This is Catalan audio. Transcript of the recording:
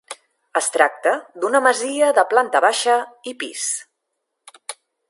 Es tracta d'una masia de planta baixa i pis.